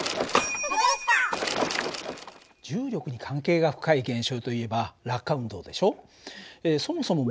重力に関係が深い現象といえば落下運動でしょ。